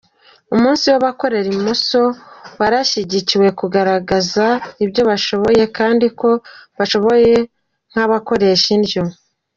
Umunsi w’abakoresha imoso warashyiriweho kugaragaza ibyo bashoboye kandi ko bashoboye nk’abakoresha indyo.